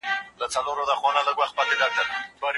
هغه وویل چې ټیکنالوژي د پوهې کلي ده.